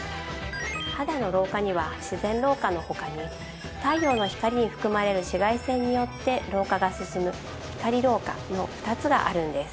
肌の老化には自然老化の他に太陽の光に含まれる紫外線によって老化が進む光老化の２つがあるんです。